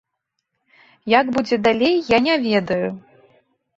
Як будзе далей, я не ведаю.